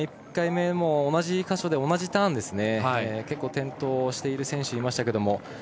１回目も同じ箇所で同じターンですね結構、転倒している選手がいましたけれども。